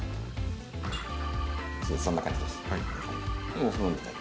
そんな感じです。